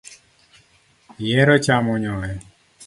Ihero chamo nyoyo .